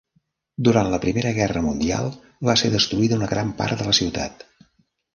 Durant la Primera Guerra Mundial va ser destruïda una gran part de la ciutat.